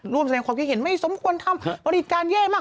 ร่วมแสดงความคิดเห็นไม่สมควรทำบริการแย่มาก